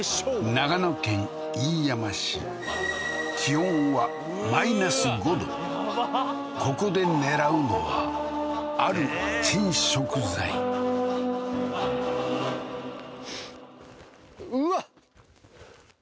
長野県飯山市気温は−５度ここで狙うのはある珍食材うわ！